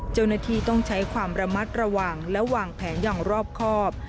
เจ้าหน้าที่ต้องใช้ความระมัดระวังและวางแผนอย่างรอบครอบ